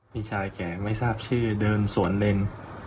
พี่ชายแกไม่ทราบชื่อเดินสวนเล่น